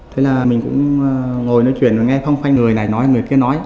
thế là mình cũng ngồi nói chuyện và nghe phong phai người này nói người kia nói